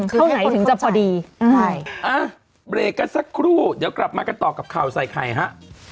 เข้าไหนถึงจะพอดีใช่อ่ะเบรกกันสักครู่เดี๋ยวกลับมากันต่อกับข่าวใส่ไข่ฮะ